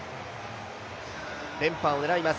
連覇を狙います